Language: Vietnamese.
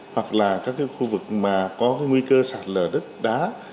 hoặc là các cái khu vực mà có nguy cơ sạt lở đất đá